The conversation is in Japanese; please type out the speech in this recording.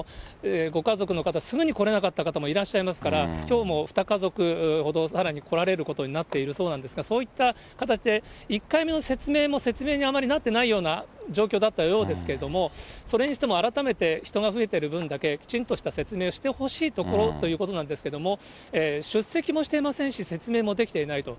ご家族の方、すぐに来れなかった方もいらっしゃいますから、きょうも２家族ほどさらに来られることになっているそうなんですが、そういった形で、１回目の説明も、説明にあまりなってないような状況だったようですけれども、それにしても、改めて人が増えてる分だけ、きちんとした説明をしてほしいところということなんですけれども、出席もしていませんし、説明もできていないと。